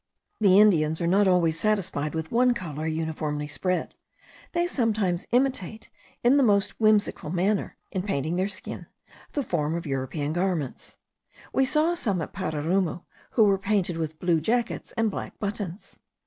The Indians are not always satisfied with one colour uniformly spread; they sometimes imitate, in the most whimsical manner, in painting their skin, the form of European garments. We saw some at Pararuma, who were painted with blue jackets and black buttons.